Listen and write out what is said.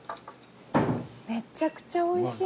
めっちゃくちゃおいしい。